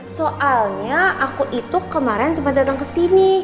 soalnya aku itu kemarin sempat datang kesini